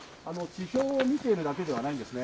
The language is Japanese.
地表を見ているだけではないんですね。